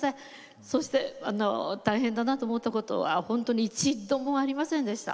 そして大変だなと思ったことは本当に一度もありませんでした。